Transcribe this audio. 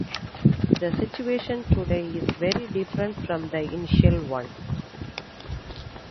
The situation today is very different from the initial one.